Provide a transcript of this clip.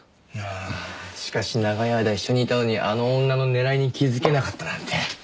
ああしかし長い間一緒にいたのにあの女の狙いに気づけなかったなんて。